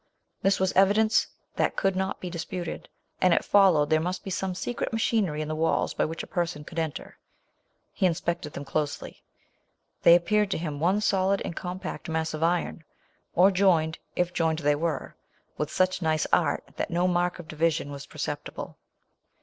This was evidence that could not be disputed ; and it followed there must he some secret machinery in the walls by which a person could enter. He inspected them closely. They appeared to him one solid and com pact mass of iron ; or joined, if join ed they were, with such nice art, that no mark of division was perceptible.